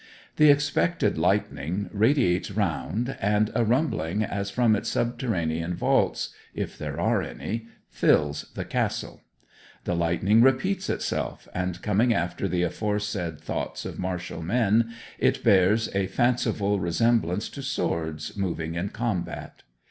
The expected lightning radiates round, and a rumbling as from its subterranean vaults if there are any fills the castle. The lightning repeats itself, and, coming after the aforesaid thoughts of martial men, it bears a fanciful resemblance to swords moving in combat.